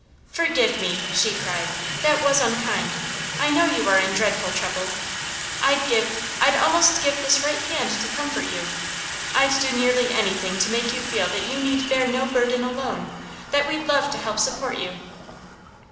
"Forgive me!" she cried. "That was unkind. I know you are in dreadful trouble. I'd give I'd almost give this right hand to comfort you. I'd do nearly anything to make you feel that you need bear no burden alone; that we'd love to help support you."